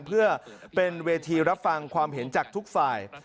เพื่อเป็นเวทีรับฟังความเห็นจากทุกฝ่าย